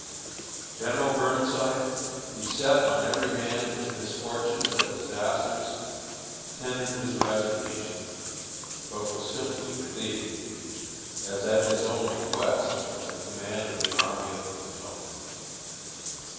General Burnside, beset on every hand with misfortunes and disasters, tendered his resignation, but was simply relieved, as at his own request, from the command of the Army of the Potomac.